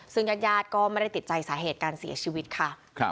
ซึ่งญาติก็ไม่ได้ติดใจสาเหตุการเสียชีวิตค่ะ